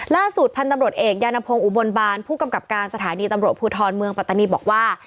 ล่าสุดพันธุ์ตำรวจเอกยานพงศ์อุบลบานผู้กำกับการสถานีตำรวจภูทรเมืองปัตตานีบอกว่า